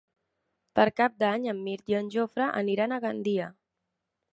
Per Cap d'Any en Mirt i en Jofre aniran a Gandia.